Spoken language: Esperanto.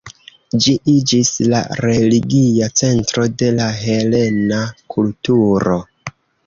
Ĝi iĝis la religia centro de la helena kulturo.